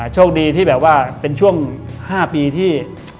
โชคดีที่เป็นช่วง๕ปีที่